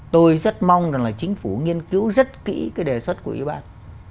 tôi rất mong là chính phủ nghiên cứu rất kỹ đề xuất của ủy ban